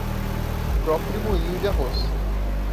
Próprio moinho de arroz